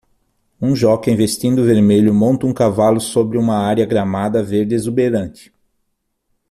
Um jóquei vestindo vermelho monta um cavalo sobre uma área gramada verde exuberante.